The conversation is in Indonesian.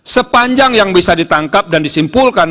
sepanjang yang bisa ditangkap dan disimpulkan